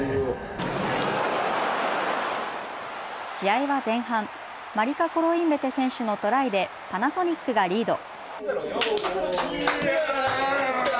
試合は前半、マリカ・コロインベテ選手のトライでパナソニックがリード。